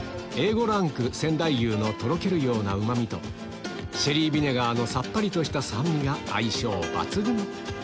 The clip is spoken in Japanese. ５ランク仙台牛のとろけるようなうま味とシェリービネガーのさっぱりとした酸味が相性抜群